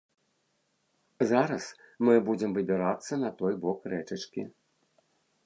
Зараз мы будзем выбірацца на той бок рэчачкі.